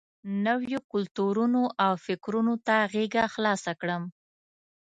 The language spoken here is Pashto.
نویو کلتورونو او فکرونو ته غېږه خلاصه کړم.